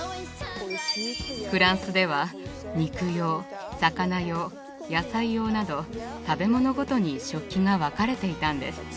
フランスでは肉用魚用野菜用など食べ物ごとに食器が分かれていたんです。